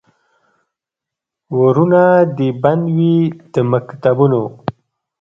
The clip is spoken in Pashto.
ورونه دي بند وي د مکتبونو